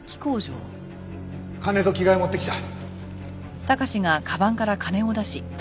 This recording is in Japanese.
金と着替えを持ってきた。